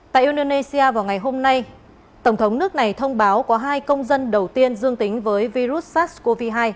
tại indonesia vào ngày hôm nay tổng thống nước này thông báo có hai công dân đầu tiên dương tính với virus sars cov hai